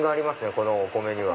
このお米には。